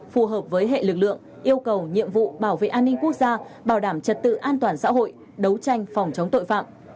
phù hợp với hệ lực lượng yêu cầu nhiệm vụ bảo vệ an ninh quốc gia bảo đảm trật tự an toàn xã hội đấu tranh phòng chống tội phạm